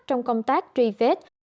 trong công tác tri vết